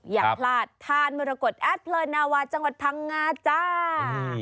อยากพลาดทานมรกฏแอดเพลินนาวาจังหวัดพังงาจ้า